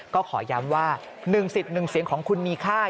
ก็ขอย้ำว่า๑สิทธิ์๑เสียงของคุณมีค่า